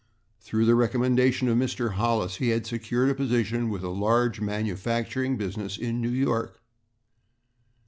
Through the recommendation of Mr. Hollis, he had secured a position with a large manufacturing business in New York.